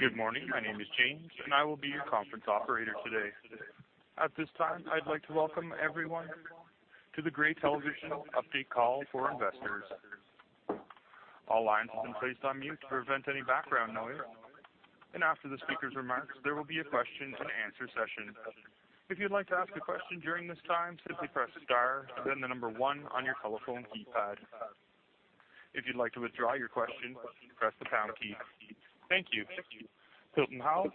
Good morning. My name is James, and I will be your conference operator today. At this time, I'd like to welcome everyone to the Gray Television update call for investors. All lines have been placed on mute to prevent any background noise, and after the speaker's remarks, there will be a question-and-answer session. If you'd like to ask a question during this time, simply press star, then the number one on your telephone keypad. If you'd like to withdraw your question, press the pound key. Thank you. Hilton Howell,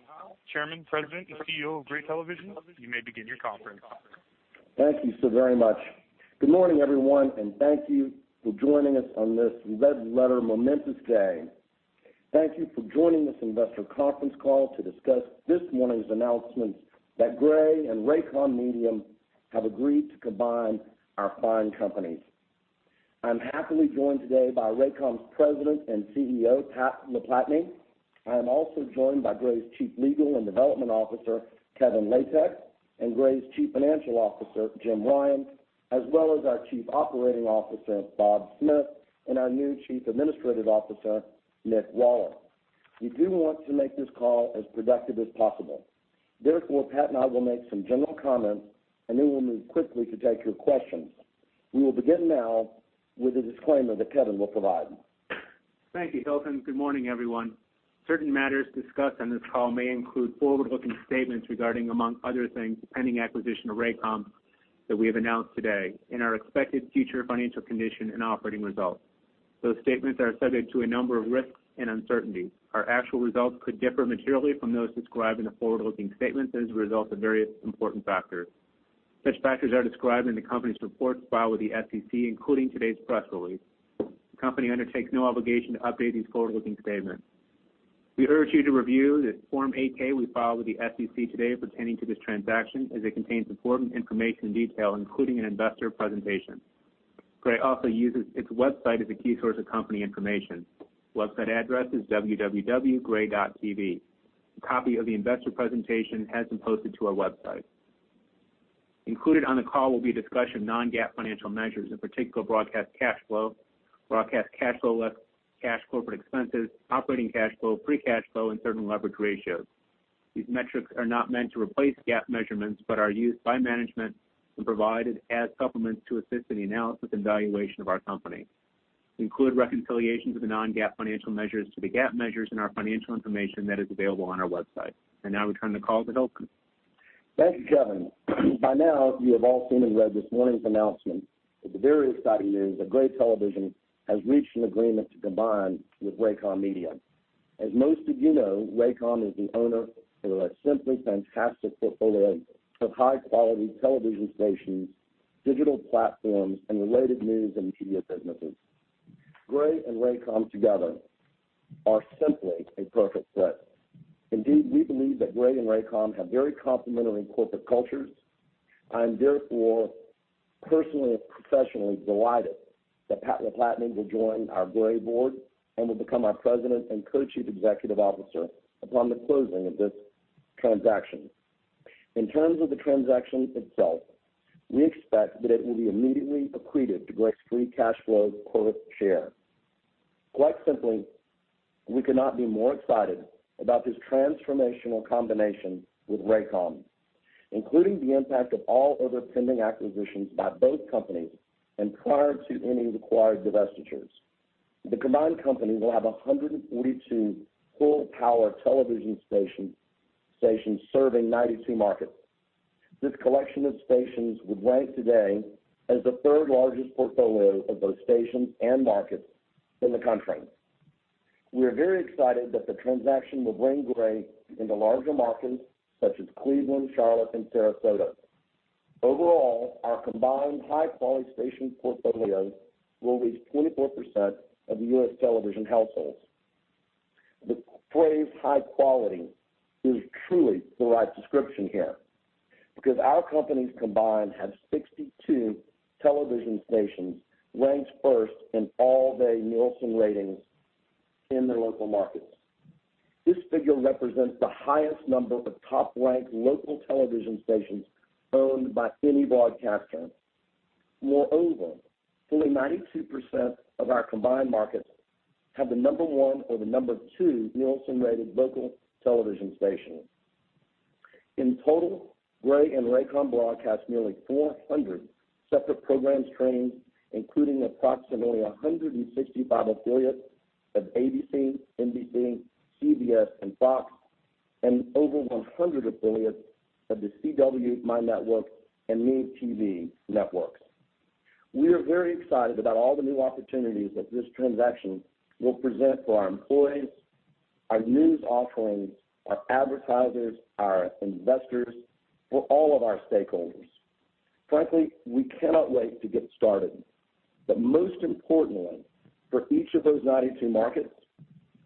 Chairman, President, and CEO of Gray Television, you may begin your conference. Thank you so very much. Good morning, everyone, and thank you for joining us on this red-letter, momentous day. Thank you for joining this investor conference call to discuss this morning's announcements that Gray and Raycom Media have agreed to combine our fine companies. I'm happily joined today by Raycom's President and CEO, Pat LaPlatney. I am also joined by Gray's Chief Legal and Development Officer, Kevin Latek, and Gray's Chief Financial Officer, Jim Ryan, as well as our Chief Operating Officer, Bob Smith, and our new Chief Administrative Officer, Nick Waller. We do want to make this call as productive as possible. Therefore, Pat and I will make some general comments, and then we'll move quickly to take your questions. We will begin now with the disclaimer that Kevin will provide. Thank you, Hilton. Good morning, everyone. Certain matters discussed on this call may include forward-looking statements regarding, among other things, the pending acquisition of Raycom that we have announced today and our expected future financial condition and operating results. Those statements are subject to a number of risks and uncertainties. Our actual results could differ materially from those described in the forward-looking statements as a result of various important factors. Such factors are described in the company's reports filed with the SEC, including today's press release. The company undertakes no obligation to update these forward-looking statements. We urge you to review the Form 8-K we filed with the SEC today pertaining to this transaction, as it contains important information and detail, including an investor presentation. Gray also uses its website as a key source of company information. The website address is www.gray.tv. A copy of the investor presentation has been posted to our website. Included on the call will be a discussion of non-GAAP financial measures, in particular broadcast cash flow, broadcast cash flow less cash corporate expenses, operating cash flow, free cash flow, and certain leverage ratios. These metrics are not meant to replace GAAP measurements but are used by management and provided as supplements to assist in the analysis and valuation of our company. Include reconciliations of the non-GAAP financial measures to the GAAP measures in our financial information that is available on our website. Now I return the call to Hilton. Thank you, Kevin. By now, you have all seen and read this morning's announcement that the very exciting news that Gray Television has reached an agreement to combine with Raycom Media. As most of you know, Raycom is the owner of a simply fantastic portfolio of high-quality television stations, digital platforms, and related news and media businesses. Gray and Raycom together are simply a perfect fit. Indeed, we believe that Gray and Raycom have very complementary corporate cultures. I am therefore personally and professionally delighted that Pat LaPlatney will join our Gray board and will become our President and Co-chief Executive Officer upon the closing of this transaction. In terms of the transaction itself, we expect that it will be immediately accretive to Gray's Free Cash Flow per share. Quite simply, we could not be more excited about this transformational combination with Raycom, including the impact of all other pending acquisitions by both companies and prior to any required divestitures. The combined company will have 142 full-power television stations serving 92 markets. This collection of stations would rank today as the third-largest portfolio of those stations and markets in the country. We are very excited that the transaction will bring Gray into larger markets such as Cleveland, Charlotte, and Sarasota. Overall, our combined high-quality station portfolios will reach 24% of the U.S. television households. The phrase high quality is truly the right description here because our companies combined have 62 television stations ranked first in all-day Nielsen ratings in their local markets. This figure represents the highest number of top-ranked local television stations owned by any broadcaster. Moreover, fully 92% of our combined markets have the number 1 or the number 2 Nielsen-rated local television station. In total, Gray and Raycom broadcast nearly 400 separate program streams, including approximately 165 affiliates of ABC, NBC, CBS, and FOX, and over 100 affiliates of The CW, MyNetwork, and MeTV networks. We are very excited about all the new opportunities that this transaction will present for our employees, our news offerings, our advertisers, our investors, for all of our stakeholders. Frankly, we cannot wait to get started. Most importantly, for each of those 92 markets,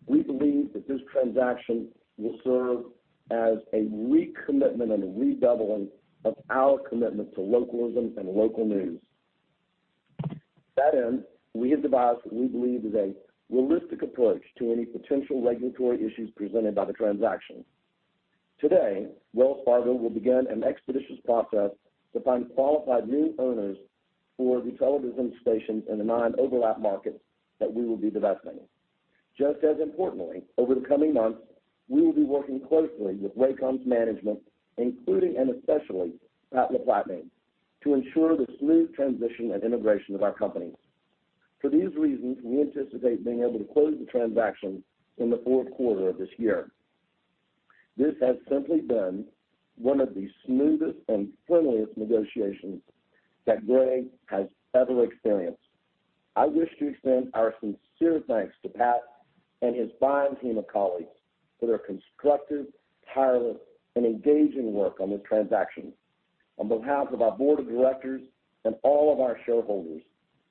we believe that this transaction will serve as a recommitment and a redoubling of our commitment to localism and local news. To that end, we have devised what we believe is a realistic approach to any potential regulatory issues presented by the transaction. Today, Wells Fargo will begin an expeditious process to find qualified new owners for the television stations in the nine overlap markets that we will be divesting. Just as importantly, over the coming months, we will be working closely with Raycom's management, including and especially Pat LaPlatney, to ensure the smooth transition and integration of our companies. For these reasons, we anticipate being able to close the transaction in the fourth quarter of this year. This has simply been one of the smoothest and friendliest negotiations that Gray has ever experienced. I wish to extend our sincere thanks to Pat and his fine team of colleagues for their constructive, tireless, and engaging work on this transaction. On behalf of our board of directors and all of our shareholders,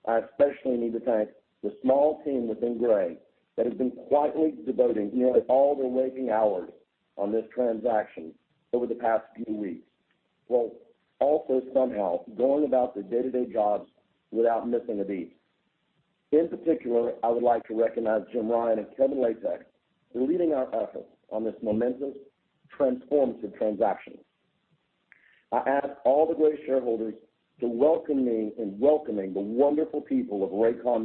I especially need to thank the small team within Gray that has been quietly devoting nearly all their waking hours on this transaction over the past few weeks, while also somehow going about their day-to-day jobs without missing a beat. In particular, I would like to recognize Jim Ryan and Kevin Latek for leading our efforts on this momentous, transformative transaction. I ask all the Gray shareholders to welcome me in welcoming the wonderful people of Raycom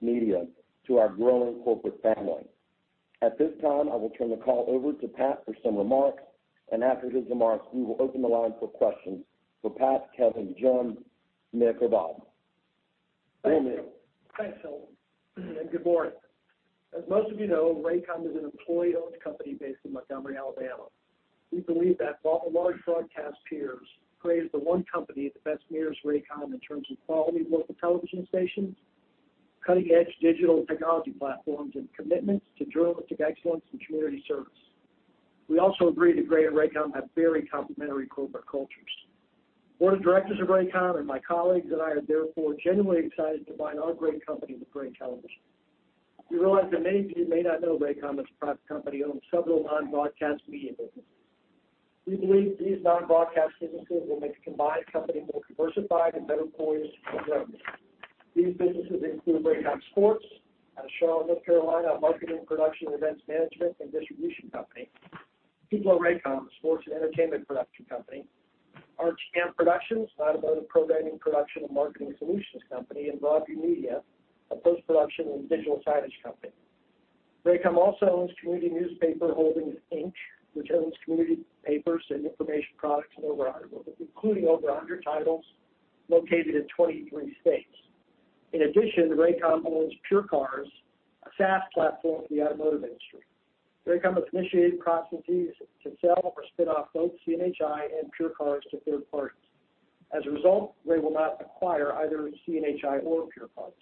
Media to our growing corporate family. At this time, I will turn the call over to Pat for some remarks. After his remarks, we will open the line for questions for Pat, Kevin, Jim, Nick, or Bob. Go ahead. Thanks, Hilton. Good morning. As most of you know, Raycom is an employee-owned company based in Montgomery, Alabama. We believe that while our large broadcast peers crave the one company that best mirrors Raycom in terms of quality local television stations, cutting-edge digital technology platforms, and commitments to journalistic excellence and community service. We also agree that Gray and Raycom have very complementary corporate cultures. Board of directors of Raycom and my colleagues and I are therefore genuinely excited to bind our great company with Gray Television. We realize that many of you may not know Raycom, as a private company, owns several non-broadcast media businesses. We believe these non-broadcast businesses will make the combined company more diversified and better poised for growth. These businesses include Raycom Sports out of Charlotte, North Carolina, a marketing, production, events management, and distribution company. Tupelo Raycom, a sports and entertainment production company. RTM Productions, an automotive programming production and marketing solutions company, and Broadview Media, a post-production and digital signage company. Raycom also owns Community Newspaper Holdings, Inc., which owns community papers and information products in over 100 markets, including over 100 titles located in 23 states. In addition, Raycom owns PureCars, a SaaS platform for the automotive industry. Raycom has initiated processes to sell or spin off both CNHI and PureCars to third parties. As a result, Gray will not acquire either CNHI or PureCars.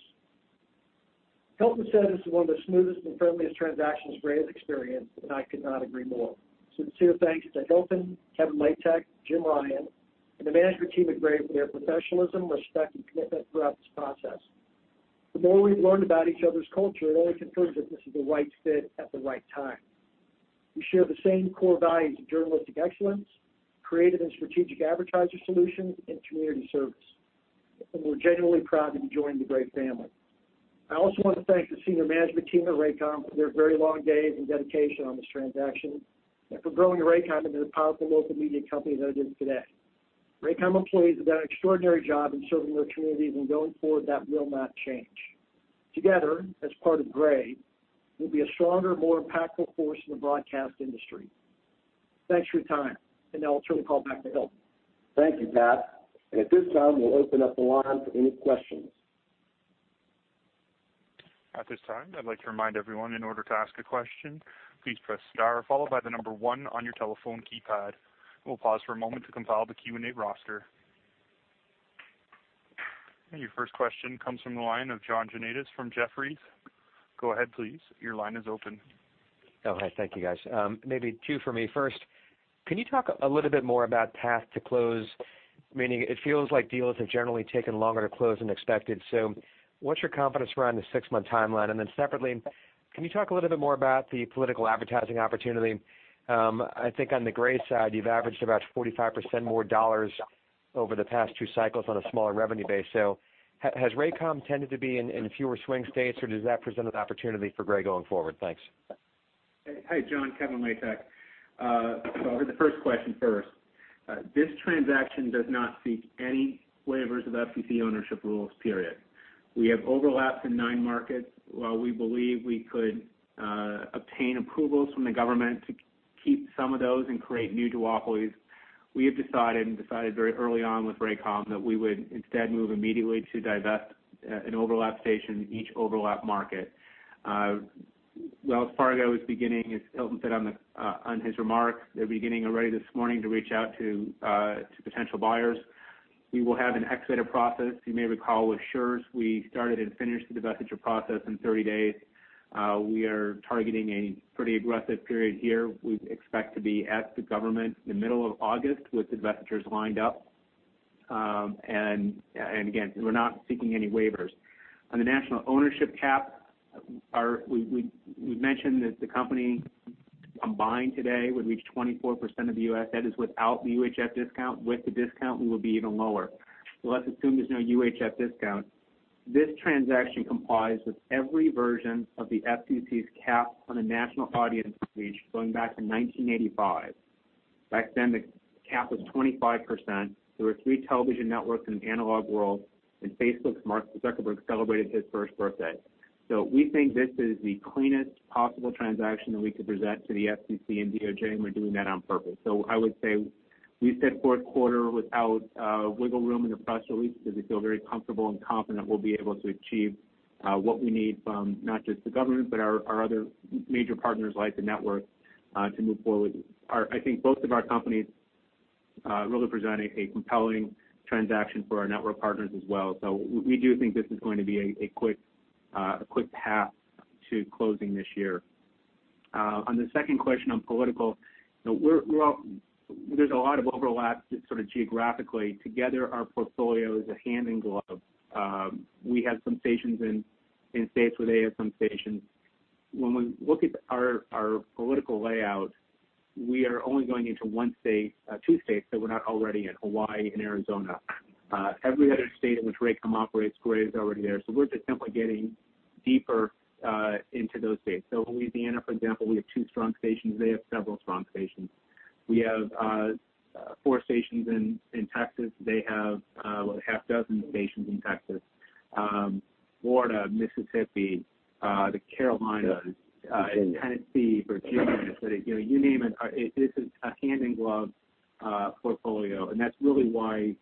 Hilton said this is one of the smoothest and friendliest transactions Gray has experienced. I could not agree more. Sincere thanks to Hilton, Kevin Latek, Jim Ryan, and the management team at Gray for their professionalism, respect, and commitment throughout this process. The more we've learned about each other's culture, it only confirms that this is the right fit at the right time. We share the same core values of journalistic excellence, creative and strategic advertiser solutions, and community service. We're genuinely proud to be joining the Gray family. I also want to thank the senior management team at Raycom for their very long days and dedication on this transaction for growing Raycom into the powerful local media company that it is today. Raycom employees have done an extraordinary job in serving their communities. Going forward, that will not change. Together, as part of Gray, we'll be a stronger, more impactful force in the broadcast industry. Thanks for your time. Now I'll turn the call back to Hilton. Thank you, Pat. At this time, we'll open up the line for any questions. At this time, I'd like to remind everyone, in order to ask a question, please press star followed by the number one on your telephone keypad. We'll pause for a moment to compile the Q&A roster. Your first question comes from the line of John Janedis from Jefferies. Go ahead, please. Your line is open. Oh, hi. Thank you, guys. Maybe two for me. First, can you talk a little bit more about path to close? Meaning, it feels like deals have generally taken longer to close than expected. What's your confidence around the six-month timeline? Separately, can you talk a little bit more about the political advertising opportunity? I think on the Gray side, you've averaged about 45% more dollars over the past two cycles on a smaller revenue base. Has Raycom tended to be in fewer swing states, or does that present an opportunity for Gray going forward? Thanks. Hey, John, Kevin Latek. I'll hit the first question first. This transaction does not seek any waivers of FCC ownership rules, period. We have overlaps in nine markets. While we believe we could obtain approvals from the government to keep some of those and create new duopolies, we have decided, and decided very early on with Raycom, that we would instead move immediately to divest an overlap station in each overlap market. Wells Fargo is beginning, as Hilton said on his remarks, they're beginning already this morning to reach out to potential buyers. We will have an expedited process. You may recall with Schurz, we started and finished the divestiture process in 30 days. We are targeting a pretty aggressive period here. We expect to be at the government in the middle of August with investors lined up. Again, we're not seeking any waivers. On the national ownership cap, we've mentioned that the company combined today would reach 24% of the U.S. That is without the UHF discount. With the discount, we would be even lower. Let's assume there's no UHF discount. This transaction complies with every version of the FCC's cap on a national audience reach going back to 1985. Back then, the cap was 25%. There were three television networks in the analog world, and Facebook's Mark Zuckerberg celebrated his first birthday. We think this is the cleanest possible transaction that we could present to the FCC and DOJ, and we're doing that on purpose. I would say we said fourth quarter without wiggle room in the press release because we feel very comfortable and confident we'll be able to achieve what we need from not just the government, but our other major partners like the network, to move forward. I think both of our companies really present a compelling transaction for our network partners as well. We do think this is going to be a quick path to closing this year. On the second question on political, there's a lot of overlap geographically. Together, our portfolio is a hand in glove. We have some stations in states where they have some stations. When we look at our political layout, we are only going into two states that we're not already in, Hawaii and Arizona. Every other state in which Raycom operates, Gray is already there. We're just simply getting deeper into those states. Louisiana, for example, we have two strong stations. They have several strong stations. We have four stations in Texas. They have a half dozen stations in Texas. Florida, Mississippi, the Carolinas, Tennessee, Virginia, you name it. This is a hand-in-glove portfolio, and that's really why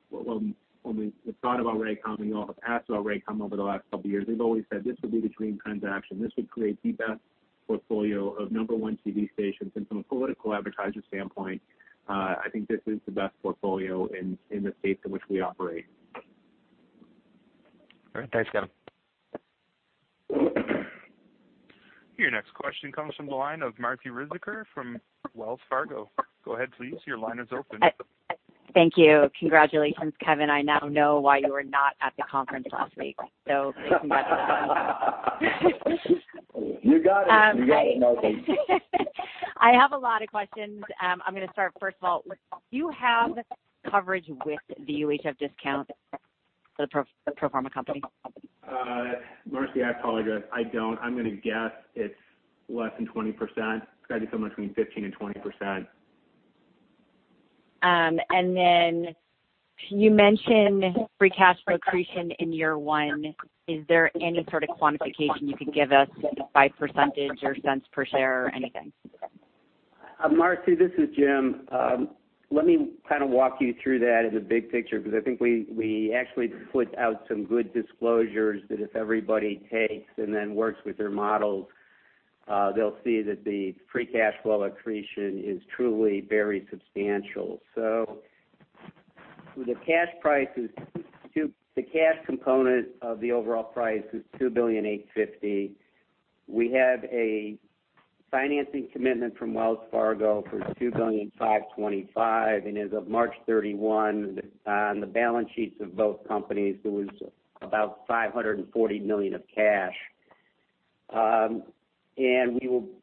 when we thought about Raycom, and you all have asked about Raycom over the last couple of years, we've always said this would be the dream transaction. This would create the best portfolio of number one TV stations. From a political advertiser standpoint, I think this is the best portfolio in the states in which we operate. All right. Thanks, Kevin. Your next question comes from the line of Marci Ryvicker from Wells Fargo. Go ahead, please. Your line is open. Thank you. Congratulations, Kevin. I now know why you were not at the conference last week, congratulations. You got it. You got it, Marci. I have a lot of questions. I'm going to start, first of all, do you have coverage with the UHF discount for the pro forma company? Marci, I apologize. I don't. I'm going to guess it's less than 20%, got to be somewhere between 15% and 20%. Then you mentioned Free Cash Flow accretion in year one. Is there any sort of quantification you can give us by percentage or cents per share or anything? Marci, this is Jim. Let me walk you through that as a big picture, because I think we actually put out some good disclosures that if everybody takes and then works with their models, they'll see that the Free Cash Flow accretion is truly very substantial. The cash component of the overall price is $2.85 billion. We have a financing commitment from Wells Fargo for $2.525 billion, and as of March 31, on the balance sheets of both companies, there was about $540 million of cash.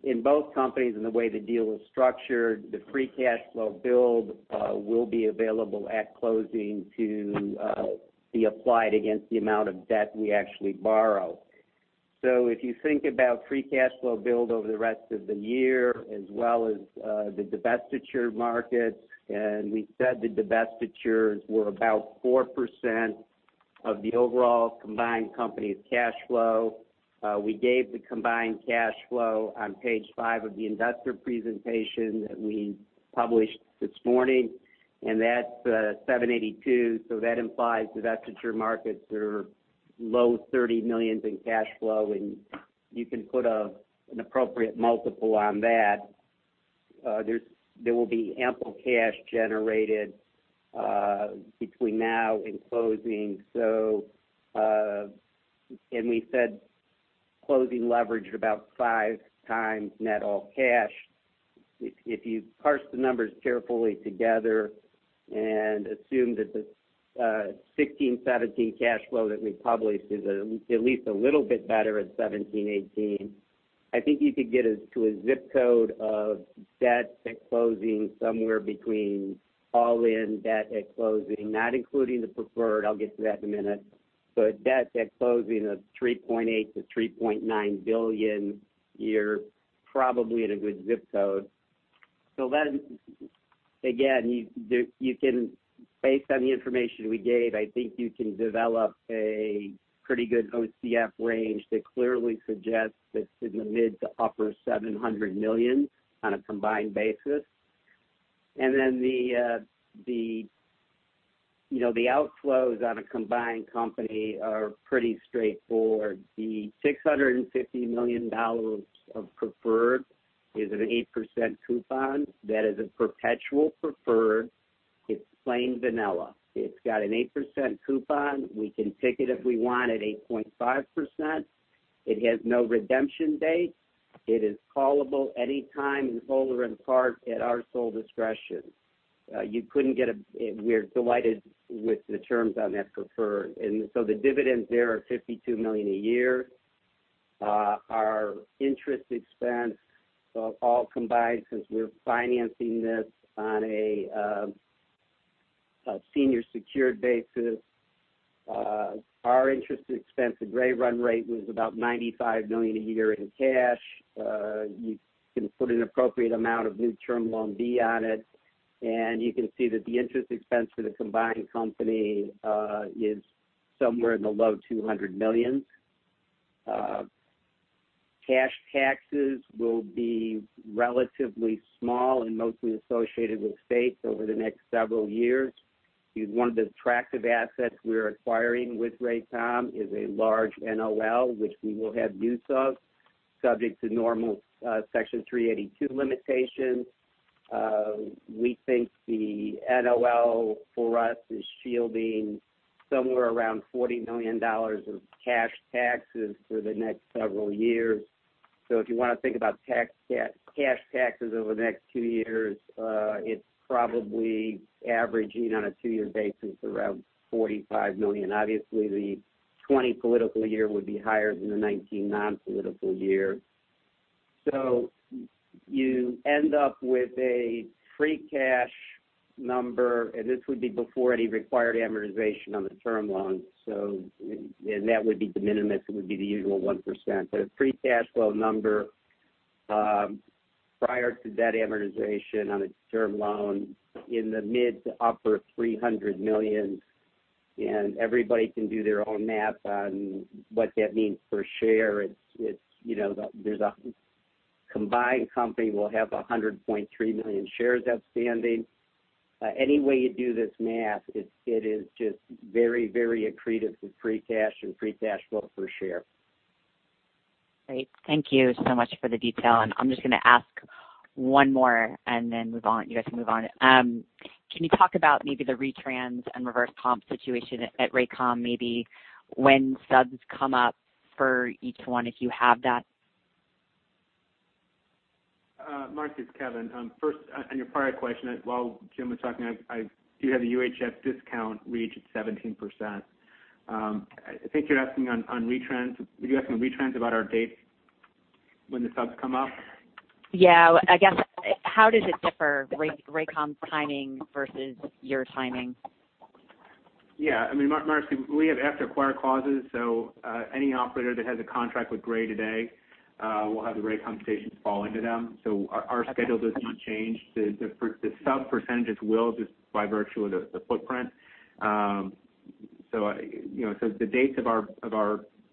In both companies, in the way the deal is structured, the Free Cash Flow build will be available at closing to be applied against the amount of debt we actually borrow. If you think about Free Cash Flow build over the rest of the year, as well as the divestiture markets. We said the divestitures were about 4% of the overall combined company's cash flow. We gave the combined cash flow on page 5 of the investor presentation that we published this morning. That is $782 million. That implies divestiture markets are low $30 million in cash flow. You can put an appropriate multiple on that. There will be ample cash generated between now and closing. We said closing leverage of about 5 times net all cash. If you parse the numbers carefully together, assume that the 2016, 2017 cash flow that we published is at least a little bit better at 2017, 2018, I think you could get us to a zip code of debt at closing somewhere between all-in debt at closing, not including the preferred, I will get to that in a minute, but debt at closing of $3.8 billion-$3.9 billion. You are probably at a good zip code. Again, based on the information we gave, I think you can develop a pretty good OCF range that clearly suggests that it is in the mid to upper $700 million on a combined basis. The outflows on a combined company are pretty straightforward. The $650 million of preferred is an 8% coupon. That is a perpetual preferred. It is plain vanilla. It has an 8% coupon. We can take it if we want at 8.5%. It has no redemption date. It is callable any time in whole or in part at our sole discretion. We are delighted with the terms on that preferred. The dividends there are $52 million a year. Our interest expense all combined, since we are financing this on a senior secured basis. Our interest expense at Gray run rate was about $95 million a year in cash. You can put an appropriate amount of new Term Loan B on it. You can see that the interest expense for the combined company is somewhere in the low $200 million. Cash taxes will be relatively small and mostly associated with states over the next several years. One of the attractive assets we are acquiring with Raycom is a large NOL, which we will have use of, subject to normal Section 382 limitations. We think the NOL for us is shielding somewhere around $40 million of cash taxes for the next several years. If you want to think about cash taxes over the next 2 years, it is probably averaging on a 2-year basis around $45 million. Obviously, the 2020 political year would be higher than the 2019 non-political year. You end up with a Free Cash number. This would be before any required amortization on the term loan. That would be de minimis. It would be the usual 1%. A Free Cash Flow number prior to debt amortization on a term loan in the mid to upper $300 million. Everybody can do their own math on what that means per share. The combined company will have 100.3 million shares outstanding. Any way you do this math, it is just very accretive to free cash and Free Cash Flow per share. Great. Thank you so much for the detail. I'm just going to ask one more and then you guys can move on. Can you talk about maybe the retrans and reverse comp situation at Raycom, maybe when subs come up for each one, if you have that? Marci, it's Kevin. First, on your prior question, while Jim was talking, I do have the UHF discount reach at 17%. I think you're asking on retrans, were you asking retrans about our date when the subs come up? Yeah. I guess, how does it differ, Raycom's timing versus your timing? Yeah, Marci, we have after-acquired clauses, so any operator that has a contract with Gray today will have the Raycom stations fall into them. Our schedule does not change. The sub percentages will, just by virtue of the footprint. The dates of our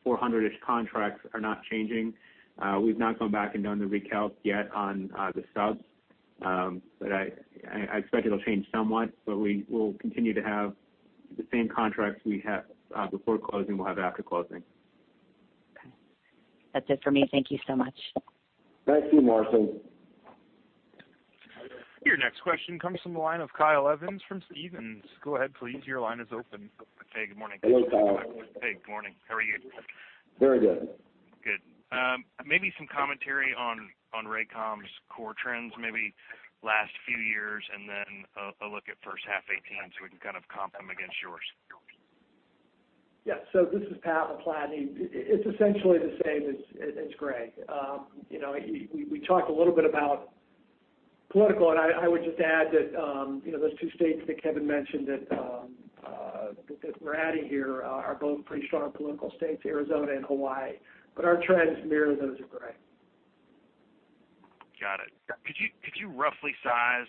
400-ish contracts are not changing. We've not gone back and done the recalcs yet on the subs. I expect it'll change somewhat, but we will continue to have the same contracts we had before closing, we'll have after closing. Okay. That's it for me. Thank you so much. Thank you, Marci. Your next question comes from the line of Kyle Evans from Stephens. Go ahead, please. Your line is open. Hey, good morning. Hey, Kyle. Hey, good morning. How are you? Very good. Good. Maybe some commentary on Raycom's core trends, maybe last few years, and then a look at first half 2018 so we can kind of comp them against yours. This is Pat LaPlatney. It's essentially the same as Gray. We talked a little bit about political, and I would just add that those two states that Kevin mentioned that we're adding here are both pretty strong political states, Arizona and Hawaii. Our trends mirror those of Gray. Got it. Yeah. Could you roughly size,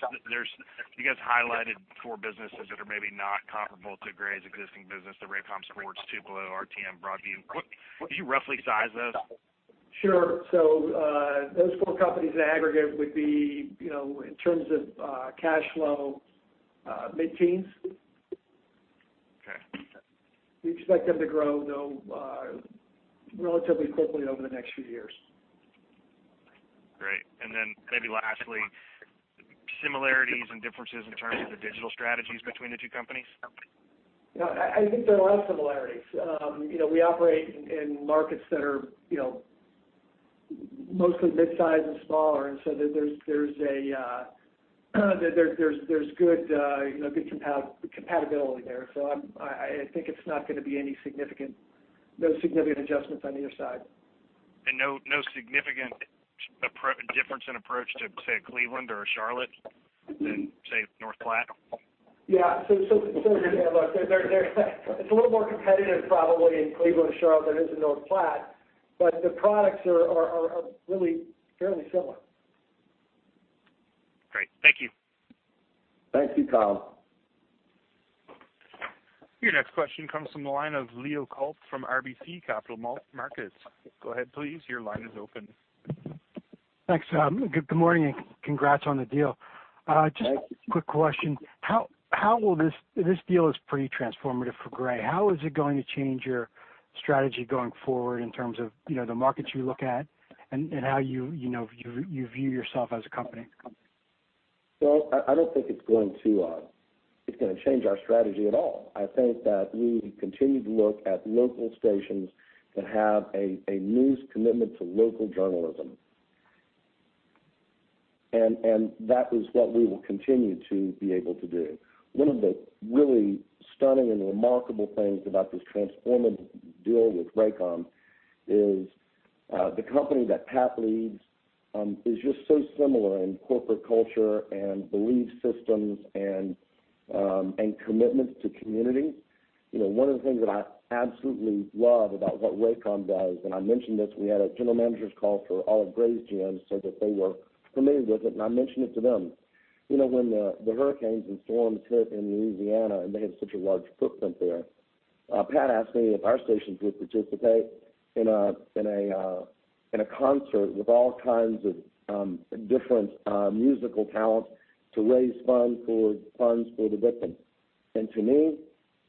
you guys highlighted four businesses that are maybe not comparable to Gray's existing business, the Raycom Sports, Tupelo, RTM, Broadview. Could you roughly size those? Sure. Those four companies in aggregate would be, in terms of cash flow, mid-teens. Okay. We expect them to grow, though, relatively quickly over the next few years. Great. Maybe lastly, similarities and differences in terms of the digital strategies between the two companies? I think there are a lot of similarities. We operate in markets that are mostly midsize and smaller, there's good compatibility there. I think it's not going to be any significant adjustments on either side. No significant difference in approach to, say, Cleveland or Charlotte than, say, North Platte? Yeah. Look, it's a little more competitive probably in Cleveland and Charlotte than it is in North Platte, but the products are really fairly similar. Great. Thank you. Thank you, Kyle. Your next question comes from the line of Leo Kulp from RBC Capital Markets. Go ahead, please. Your line is open. Thanks. Good morning. Congrats on the deal. Thanks. Just a quick question. This deal is pretty transformative for Gray. How is it going to change your strategy going forward in terms of the markets you look at and how you view yourself as a company? I don't think it's going to change our strategy at all. I think that we continue to look at local stations that have a news commitment to local journalism That is what we will continue to be able to do. One of the really stunning and remarkable things about this transformative deal with Raycom is the company that Pat leads is just so similar in corporate culture and belief systems and commitments to community. One of the things that I absolutely love about what Raycom does, I mentioned this, we had a general manager's call for all of Gray's GMs so that they were familiar with it, and I mentioned it to them. When the hurricanes and storms hit in Louisiana, and they have such a large footprint there, Pat asked me if our stations would participate in a concert with all kinds of different musical talent to raise funds for the victims. To me,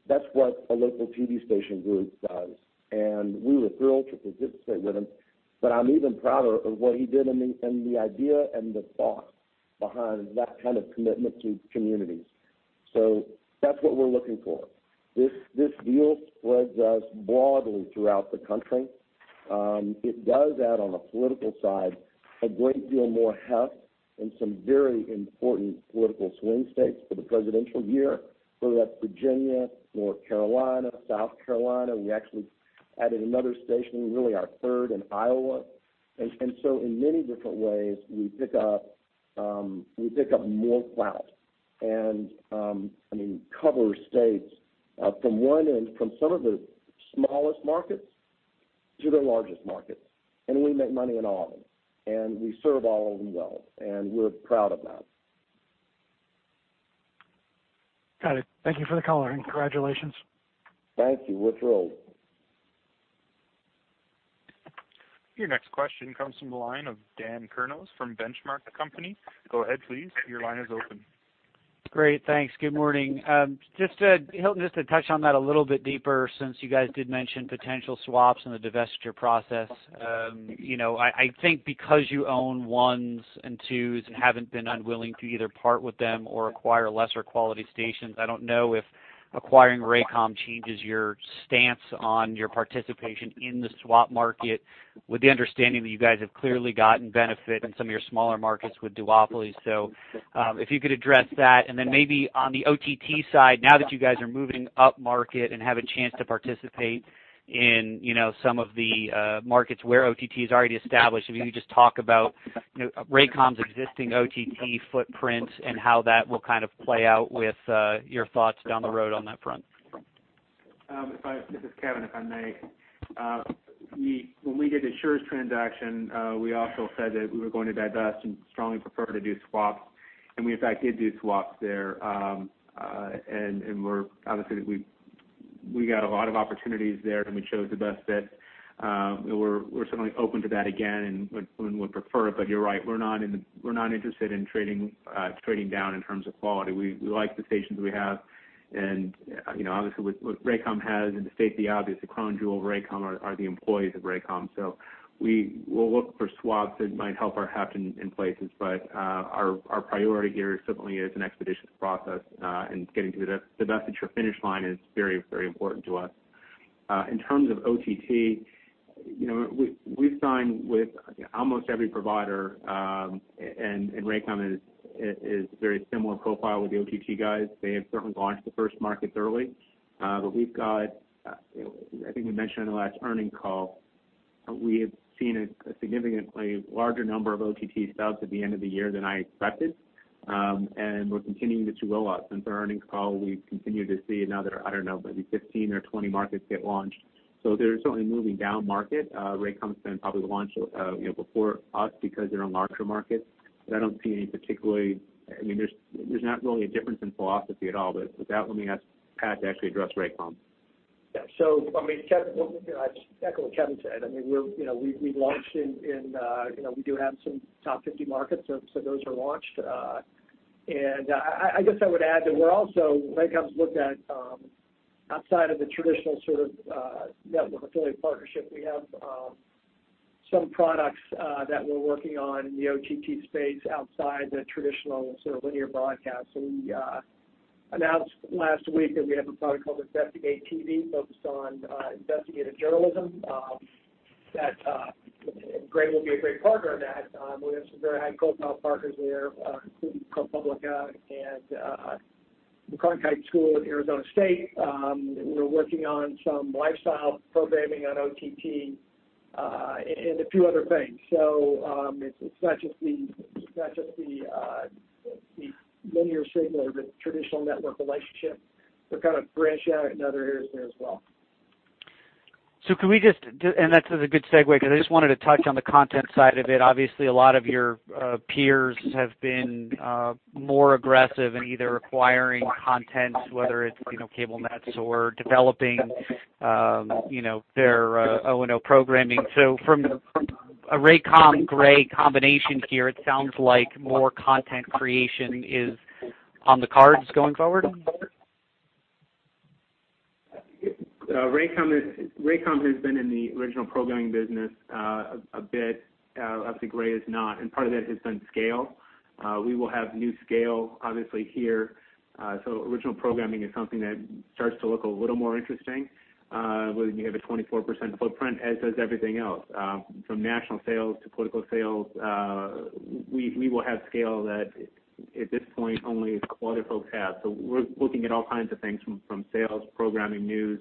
that's what a local TV station group does. We were thrilled to participate with him, but I'm even prouder of what he did and the idea and the thought behind that kind of commitment to communities. That's what we're looking for. This deal spreads us broadly throughout the country. It does add, on the political side, a great deal more heft in some very important political swing states for the presidential year, whether that's Virginia, North Carolina, South Carolina. We actually added another station, really our third in Iowa. In many different ways, we pick up more clout and cover states from one end, from some of the smallest markets to the largest markets. We make money in all of them. We serve all of them well, and we're proud of that. Got it. Thank you for the color, and congratulations. Thank you. We're thrilled. Your next question comes from the line of Dan Kurnos from The Benchmark Company. Go ahead, please. Your line is open. Great. Thanks. Good morning. Hilton, just to touch on that a little bit deeper, since you guys did mention potential swaps in the divestiture process. I think because you own ones and twos and haven't been unwilling to either part with them or acquire lesser quality stations, I don't know if acquiring Raycom changes your stance on your participation in the swap market with the understanding that you guys have clearly gotten benefit in some of your smaller markets with duopolies. If you could address that and then maybe on the OTT side, now that you guys are moving up market and have a chance to participate in some of the markets where OTT is already established, if you could just talk about Raycom's existing OTT footprint and how that will play out with your thoughts down the road on that front. This is Kevin, if I may. When we did the Schurz transaction, we also said that we were going to divest and strongly prefer to do swaps. We, in fact, did do swaps there. Obviously, we got a lot of opportunities there, and we chose the best fit. We're certainly open to that again and would prefer it. You're right, we're not interested in trading down in terms of quality. We like the stations we have. Obviously, what Raycom has and to state the obvious, the crown jewel of Raycom are the employees of Raycom. We will look for swaps that might help our heft in places. Our priority here certainly is an expeditious process, and getting to the divestiture finish line is very important to us. In terms of OTT, we've signed with almost every provider, and Raycom is very similar profile with the OTT guys. They have certainly launched the first markets early. We've got, I think we mentioned on the last earnings call, we have seen a significantly larger number of OTT subs at the end of the year than I expected. We're continuing to roll out. Since our earnings call, we've continued to see another, I don't know, maybe 15 or 20 markets get launched. They're certainly moving down market. Raycom's going to probably launch before us because they're in larger markets. I don't see any particularly-- there's not really a difference in philosophy at all. That, let me ask Pat to actually address Raycom. I'll just echo what Kevin said. We've launched in. We do have some top 50 markets, so those are launched. I guess I would add that we're also, Raycom's looked at outside of the traditional sort of network affiliate partnership. We have some products that we're working on in the OTT space outside the traditional sort of linear broadcast. We announced last week that we have a product called InvestigateTV focused on investigative journalism that Gray will be a great partner in that. We have some very high-profile partners there, including ProPublica and the Cronkite School at Arizona State. We're working on some lifestyle programming on OTT and a few other things. It's not just the linear signal or the traditional network relationship. We're kind of branching out in other areas there as well. Can we just, and that's a good segue because I just wanted to touch on the content side of it. Obviously, a lot of your peers have been more aggressive in either acquiring content, whether it's cable nets or developing their O&O programming. From a Raycom Gray combination here, it sounds like more content creation is on the cards going forward? Raycom has been in the original programming business a bit. I think Gray is not, and part of that has been scale. We will have new scale, obviously, here. Original programming is something that starts to look a little more interesting when you have a 24% footprint, as does everything else. From national sales to political sales, we will have scale that at this point, only a couple other folks have. We're looking at all kinds of things from sales, programming, news,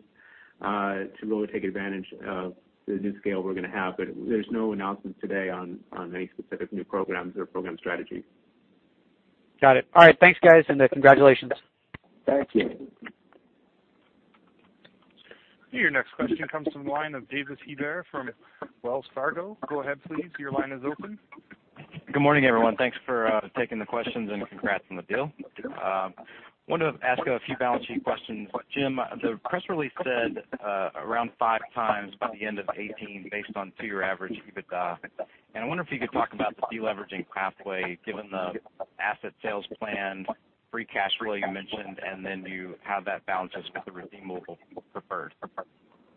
to really take advantage of the new scale we're going to have. There's no announcement today on any specific new programs or program strategies. Got it. All right, thanks, guys, and congratulations. Thank you. Your next question comes from the line of Davis Hebert from Wells Fargo. Go ahead, please. Your line is open. Good morning, everyone. Thanks for taking the questions and congrats on the deal. Wanted to ask a few balance sheet questions. Jim, the press release said around five times by the end of 2018 based on two-year average EBITDA. I wonder if you could talk about the deleveraging pathway, given the asset sales plan, Free Cash Flow you mentioned, do you have that balanced with the redeemable preferred?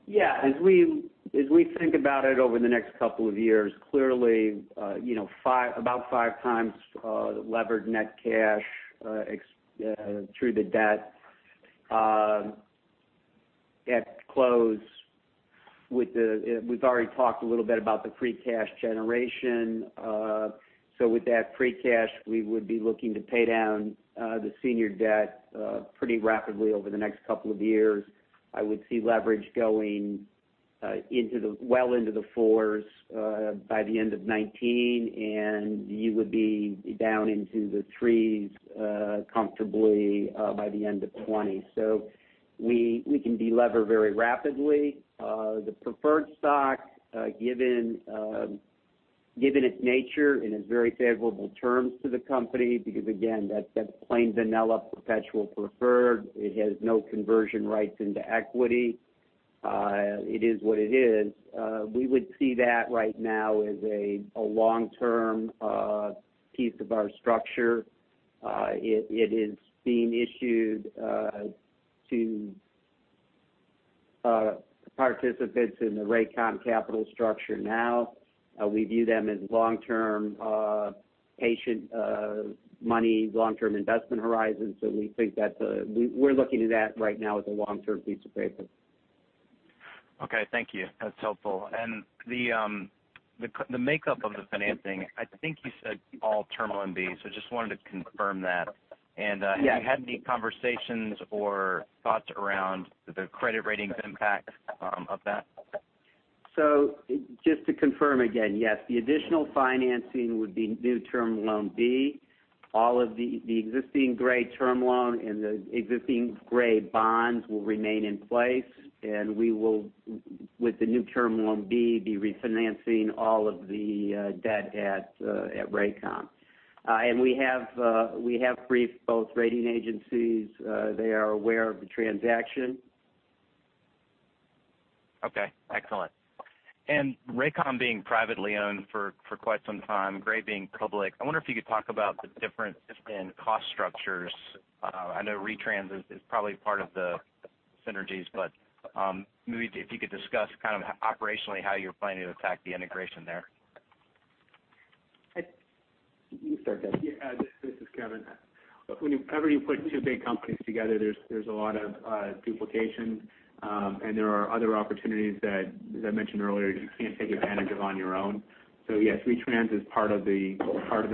Yeah. As we think about it over the next couple of years, clearly, about five times the levered net cash through the debt at close. We've already talked a little bit about the Free Cash generation. With that Free Cash, we would be looking to pay down the senior debt pretty rapidly over the next couple of years. I would see leverage going well into the fours by the end of 2019, and you would be down into the threes comfortably by the end of 2020. We can de-lever very rapidly. The preferred stock given its nature and its very favorable terms to the company, because again, that's plain vanilla perpetual preferred. It has no conversion rights into equity. It is what it is. We would see that right now as a long-term piece of our structure. It is being issued to participants in the Raycom capital structure now. We view them as long-term, patient money, long-term investment horizons. We're looking to that right now as a long-term piece of paper. Okay. Thank you. That's helpful. The makeup of the financing, I think you said all Term Loan B, just wanted to confirm that. Yeah. Have you had any conversations or thoughts around the credit ratings impact of that? Just to confirm again, yes, the additional financing would be new Term Loan B. All of the existing Gray Term Loan and the existing Gray bonds will remain in place, and we will, with the new Term Loan B, be refinancing all of the debt at Raycom. We have briefed both rating agencies. They are aware of the transaction. Okay. Excellent. Raycom being privately owned for quite some time, Gray being public, I wonder if you could talk about the difference in cost structures. I know retrans is probably part of the synergies, but maybe if you could discuss operationally how you're planning to attack the integration there. You start, Kevin. Yeah. This is Kevin. Whenever you put two big companies together, there's a lot of duplication, and there are other opportunities that, as I mentioned earlier, you can't take advantage of on your own. Yes, retrans is part of the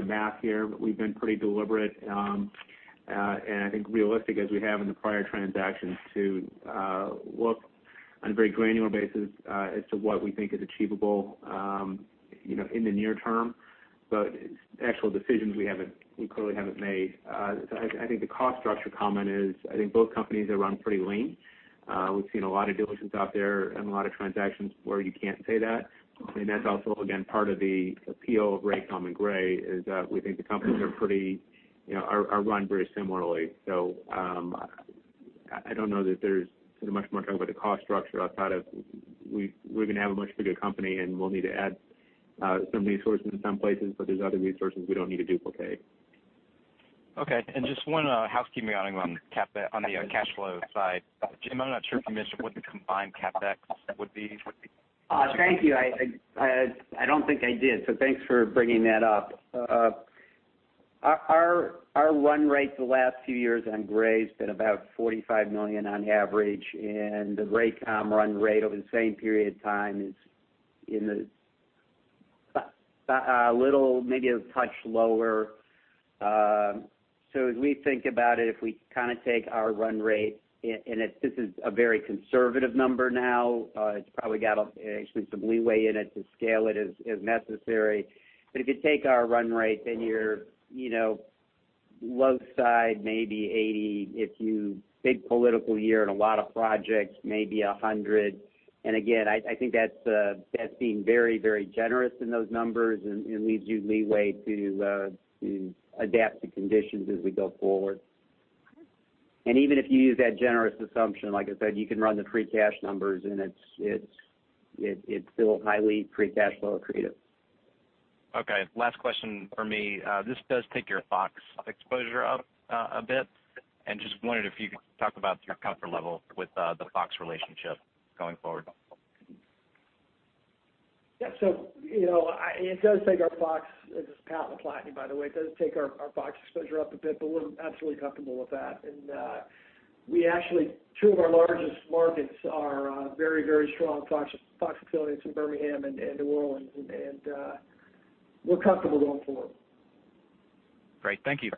math here, but we've been pretty deliberate, and I think realistic as we have in the prior transactions, to look on a very granular basis as to what we think is achievable in the near term. Actual decisions, we clearly haven't made. I think the cost structure comment is, I think both companies are run pretty lean. We've seen a lot of diligence out there and a lot of transactions where you can't say that. That's also, again, part of the appeal of Raycom and Gray is that we think the companies are run very similarly. I don't know that there's much more to talk about the cost structure outside of we're going to have a much bigger company, and we'll need to add some resources in some places, but there's other resources we don't need to duplicate. Okay, just one housekeeping item on the cash flow side. Jim, I'm not sure if you mentioned what the combined CapEx would be. Thank you. I don't think I did. Thanks for bringing that up. Our run rate the last few years on Gray has been about $45 million on average, and the Raycom run rate over the same period of time is a little, maybe a touch lower. As we think about it, you're low side, maybe $80. Big political year and a lot of projects, maybe $100. Again, I think that's being very, very generous in those numbers and leaves you leeway to adapt to conditions as we go forward. Even if you use that generous assumption, like I said, you can run the free cash numbers and it's still highly Free Cash Flow accretive. Okay, last question from me. This does take your Fox exposure up a bit, and just wondered if you could talk about your comfort level with the Fox relationship going forward. Yeah. It does take our Fox, this is Pat LaPlatney, by the way, it does take our Fox exposure up a bit, but we're absolutely comfortable with that. Actually, two of our largest markets are very strong Fox affiliates in Birmingham and New Orleans, we're comfortable going forward. Great. Thank you.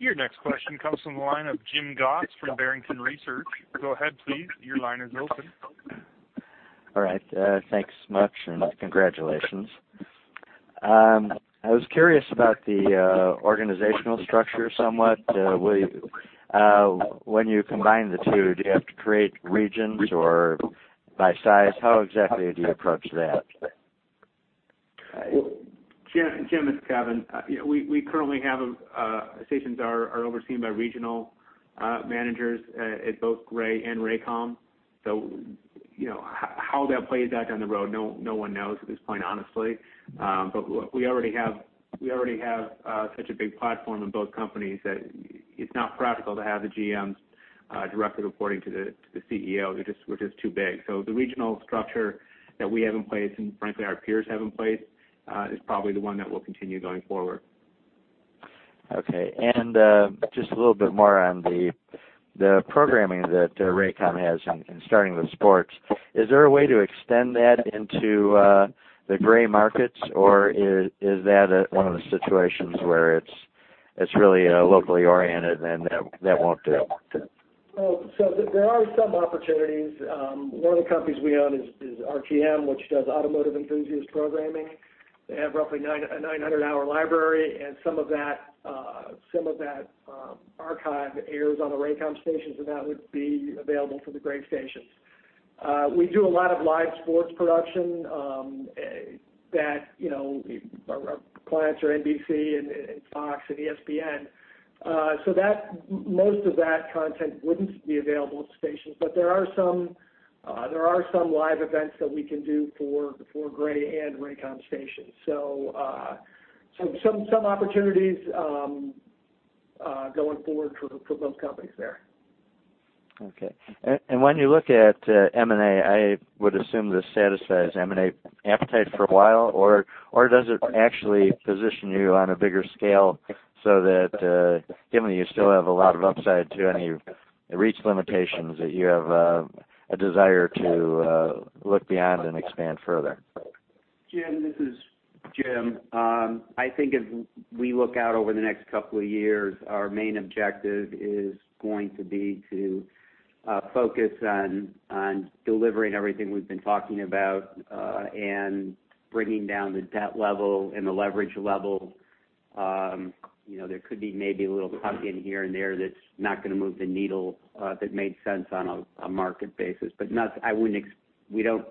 Your next question comes from the line of Jim Goss from Barrington Research. Go ahead, please. Your line is open. All right, thanks much, and congratulations. I was curious about the organizational structure somewhat. When you combine the two, do you have to create regions or by size? How exactly do you approach that? Jim, this is Kevin. We currently have stations that are overseen by regional managers at both Gray and Raycom. How that plays out down the road, no one knows at this point, honestly. We already have such a big platform in both companies that it's not practical to have the GMs directly reporting to the CEO. We're just too big. The regional structure that we have in place, and frankly, our peers have in place, is probably the one that will continue going forward. Okay. Just a little bit more on the programming that Raycom has in starting with sports. Is there a way to extend that into the Gray markets, or is that one of the situations where it's really locally oriented and that won't do? There are some opportunities. One of the companies we own is RTM, which does automotive enthusiast programming. They have roughly a 900-hour library, and some of that archive airs on the Raycom stations, and that would be available for the Gray stations. We do a lot of live sports production. Our clients are NBC, and Fox, and ESPN. Most of that content wouldn't be available at the stations, but there are some live events that we can do for Gray and Raycom stations. Some opportunities going forward for both companies there. Okay. When you look at M&A, I would assume this satisfies M&A appetite for a while, or does it actually position you on a bigger scale so that given that you still have a lot of upside to any reach limitations, that you have a desire to look beyond and expand further? James, this is Jim. I think as we look out over the next couple of years, our main objective is going to be to focus on delivering everything we've been talking about, and bringing down the debt level and the leverage level. There could be maybe a little puck in here and there that's not going to move the needle, that made sense on a market basis. We don't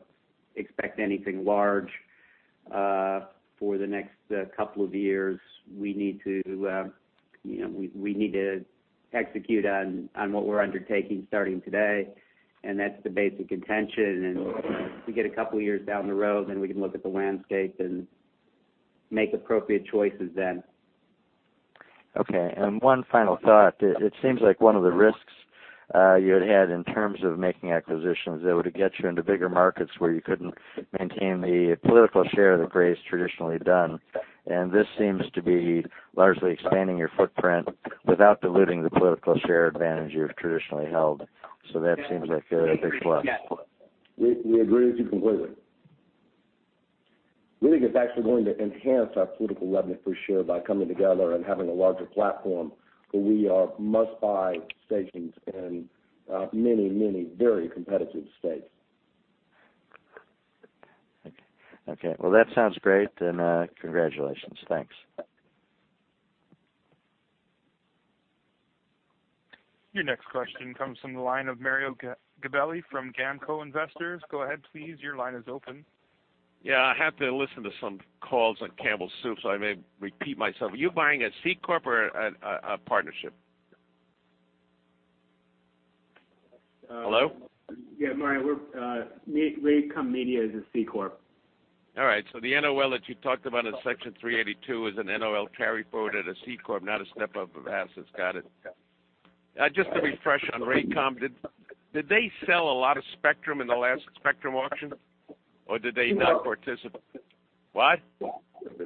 expect anything large for the next couple of years. We need to execute on what we're undertaking starting today, and that's the basic intention, and we get a couple of years down the road, then we can look at the landscape and make appropriate choices then. Okay. One final thought. It seems like one of the risks you had had in terms of making acquisitions that would get you into bigger markets where you couldn't maintain the political share that Gray's traditionally done, and this seems to be largely expanding your footprint without diluting the political share advantage you've traditionally held. That seems like a big plus. We agree with you completely. We think it's actually going to enhance our political revenue per share by coming together and having a larger platform where we are must-buy stations in many very competitive states. Okay. Well, that sounds great. Congratulations. Thanks. Your next question comes from the line of Mario Gabelli from GAMCO Investors. Go ahead, please. Your line is open. Yeah, I have to listen to some calls on Campbell Soup, I may repeat myself. Are you buying a C-corp or a partnership? Hello? Yeah, Mario, Raycom Media is a C-corp. All right. The NOL that you talked about in Section 382 is an NOL carry-forward at a C-corp, not a step-up of assets. Got it. Yeah. Just to refresh on Raycom, did they sell a lot of spectrum in the last spectrum auction, or did they not participate? No. What?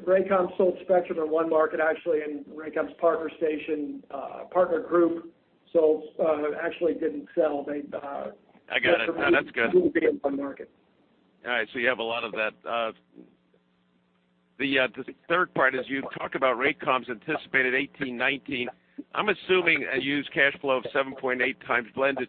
Raycom sold spectrum in one market, actually, and Raycom's partner station, partner group actually didn't sell. I got it. No, that's good. moved it in one market. All right, you have a lot of that. The third part is you talked about Raycom's anticipated 2018, 2019. I'm assuming you use cash flow of 7.8x blended.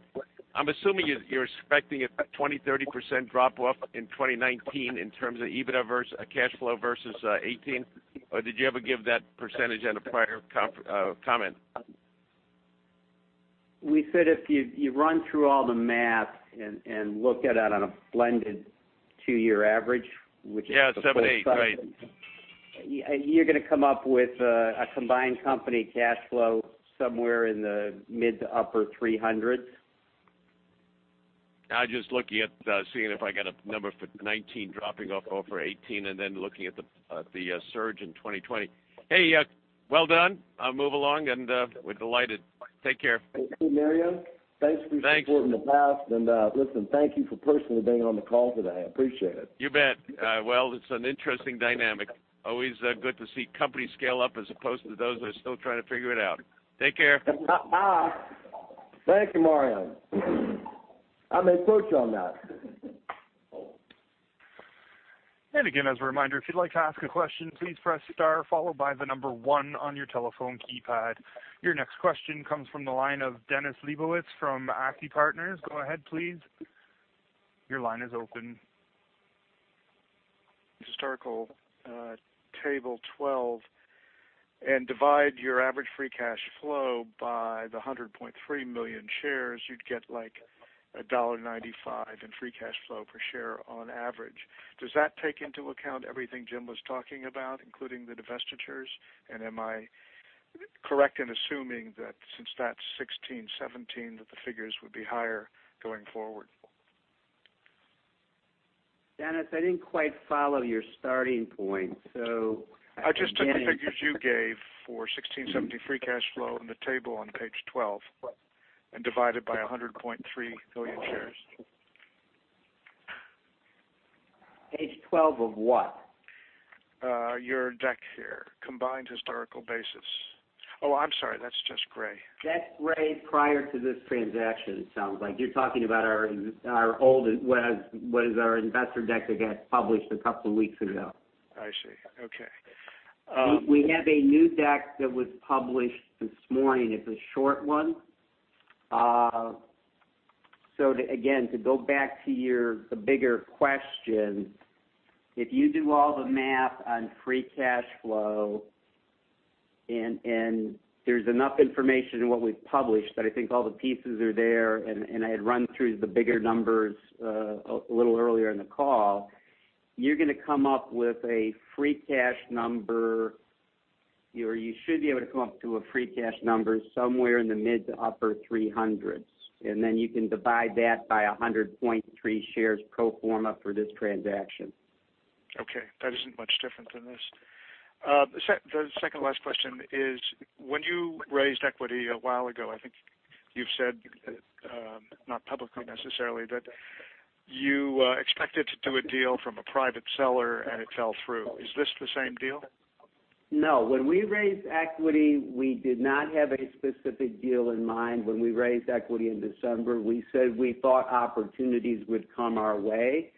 I'm assuming you're expecting a 20%-30% drop-off in 2019 in terms of EBITDA versus cash flow versus 2018, or did you ever give that percentage on a prior comment? We said if you run through all the math and look at it on a blended two-year average, which is the full cycle. You're going to come up with a combined company cash flow somewhere in the mid to upper $300 million. I'm just looking at, seeing if I got a number for 2019 dropping off over 2018, and then looking at the surge in 2020. Well done. I'll move along, and we're delighted. Take care. Thank you, Mario. Thanks. Thanks for your support in the past, listen, thank you for personally being on the call today. I appreciate it. You bet. Well, it's an interesting dynamic. Always good to see companies scale up as opposed to those that are still trying to figure it out. Take care. Thank you, Mario. I may quote you on that. Again, as a reminder, if you'd like to ask a question, please press star followed by the number 1 on your telephone keypad. Your next question comes from the line of Dennis Leibowitz from Act II Partners. Go ahead, please. Your line is open. Historical table 12 and divide your average Free Cash Flow by the 100.3 million shares, you'd get like $1.95 in Free Cash Flow per share on average. Does that take into account everything Jim was talking about, including the divestitures? Am I correct in assuming that since that 2016, 2017, that the figures would be higher going forward? Dennis, I didn't quite follow your starting point. I just took the figures you gave for 2016, 2017 Free Cash Flow in the table on page 12 and divided by 100.3 million shares. Page 12 of what? Your deck here, combined historical basis. Oh, I'm sorry, that's just Gray. That's Gray prior to this transaction, it sounds like. You're talking about our old, what is our investor deck that got published a couple of weeks ago. I see. Okay. Again, to go back to the bigger question, if you do all the math on Free Cash Flow, and there's enough information in what we've published that I think all the pieces are there, and I had run through the bigger numbers a little earlier in the call. You're going to come up with a Free Cash number, or you should be able to come up to a Free Cash number somewhere in the mid to upper $300s, and then you can divide that by 100.3 million shares pro forma for this transaction. Okay. That isn't much different than this. The second last question is, when you raised equity a while ago, I think you've said, not publicly necessarily, that you expected to do a deal from a private seller, and it fell through. Is this the same deal? No. When we raised equity, we did not have a specific deal in mind. When we raised equity in December, we said we thought opportunities would come our way,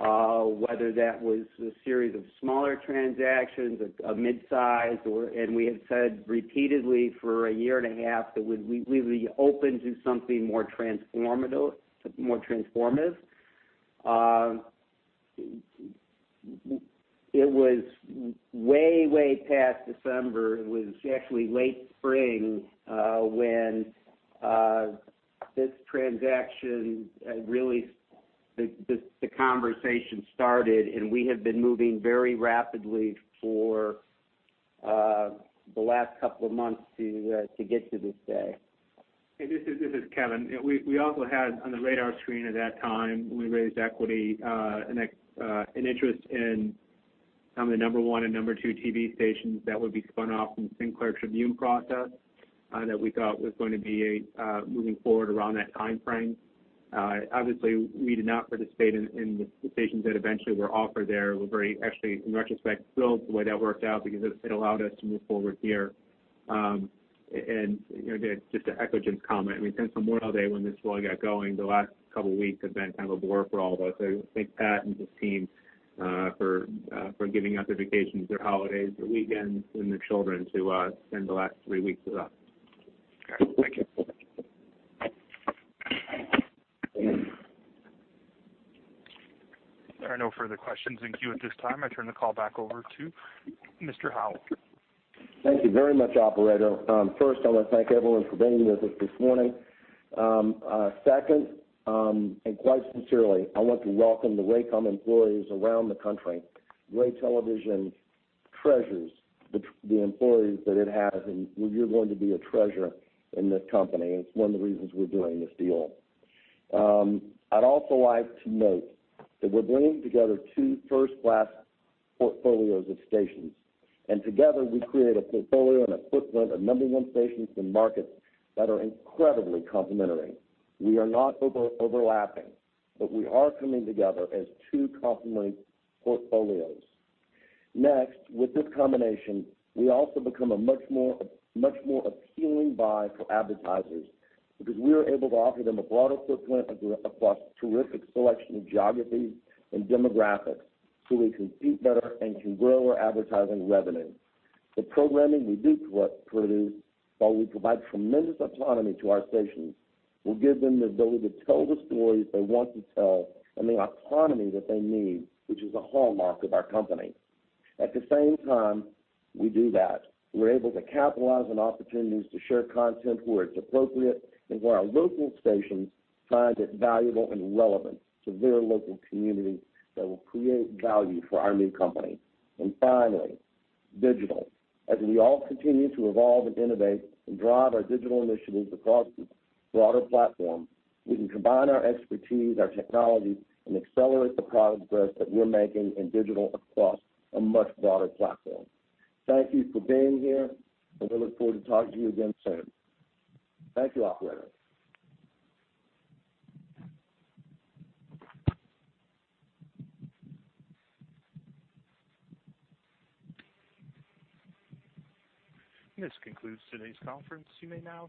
whether that was a series of smaller transactions, of mid-size. We had said repeatedly for a year and a half that we'd be open to something more transformative. It was way past December. It was actually late spring, when this transaction really, the conversation started, and we have been moving very rapidly for the last couple of months to get to this day. Hey, this is Kevin. We also had on the radar screen at that time, when we raised equity, an interest in some of the number 1 and number 2 TV stations that would be spun off from the Sinclair Tribune process that we thought was going to be moving forward around that timeframe. Obviously, we did not participate in the stations that eventually were offered there. We're very actually, in retrospect, thrilled with the way that worked out because it allowed us to move forward here. Just to echo Jim's comment, since Memorial Day, when this all got going, the last couple of weeks have been kind of a blur for all of us. Thanks, Pat and the team, for giving up their vacations, their holidays, their weekends, and their children to spend the last three weeks with us. Okay. Thank you. There are no further questions in queue at this time. I turn the call back over to Mr. Howell. Thank you very much, operator. First, I want to thank everyone for being with us this morning. Second, quite sincerely, I want to welcome the Raycom employees around the country. Gray Television treasures the employees that it has, and you're going to be a treasure in this company. It's one of the reasons we're doing this deal. I'd also like to note that we're bringing together two first-class portfolios of stations, and together we create a portfolio and a footprint of number one stations in markets that are incredibly complementary. We are not overlapping, but we are coming together as two complementary portfolios. Next, with this combination, we also become a much more appealing buy for advertisers because we are able to offer them a broader footprint across a terrific selection of geographies and demographics. We compete better and can grow our advertising revenue. The programming we do produce, while we provide tremendous autonomy to our stations, will give them the ability to tell the stories they want to tell and the autonomy that they need, which is a hallmark of our company. At the same time we do that, we're able to capitalize on opportunities to share content where it's appropriate and where our local stations find it valuable and relevant to their local community that will create value for our new company. Finally, digital. As we all continue to evolve and innovate and drive our digital initiatives across a broader platform, we can combine our expertise, our technology, and accelerate the progress that we're making in digital across a much broader platform. Thank you for being here, and we look forward to talking to you again soon. Thank you, operator. This concludes today's conference. You may now disconnect.